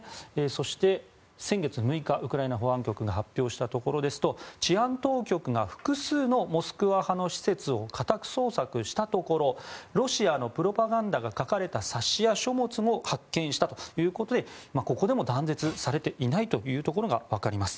そして、先月６日ウクライナ保安局が発表したところによりますと治安当局が複数のモスクワ派の施設を家宅捜索したところロシアのプロパガンダが書かれた冊子や書物も発見したということでここでも断絶されていないことがわかります。